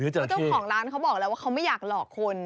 เพราะเจ้าของร้านเขาบอกแล้วว่าเขาไม่อยากหลอกคน